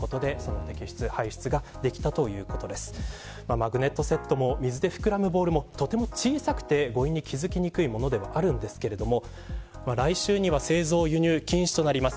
マグネットセットも水で膨らむボールもとても小さくて誤飲に気付きにくいものではあるんですが来週には製造、輸入禁止となります。